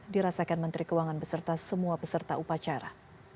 dirasakan menteri keuangan beserta semua peserta upacara